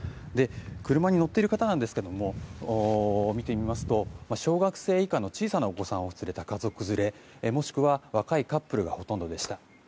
車に乗っている方なんですけども見てみますと、小学生以下の小さなお子さんを連れた家族連れ、もしくは若いカップルがほとんどでした。